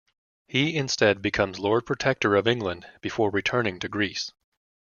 He instead becomes Lord Protector of England before returning to Greece.